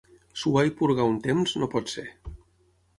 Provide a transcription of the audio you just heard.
Suar i purgar a un temps, no pot ser.